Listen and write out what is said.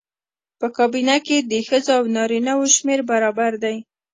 په کابینه کې د ښځو او نارینه وو شمېر برابر دی.